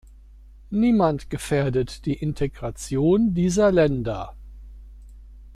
Niemand gefährdet die Integration dieser Länder.